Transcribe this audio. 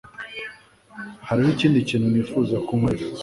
Hariho ikindi kintu nifuza ko unkorera.